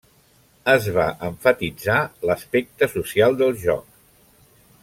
Es va emfatitzar l’aspecte social del joc.